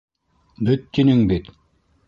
Бөт тинең бит!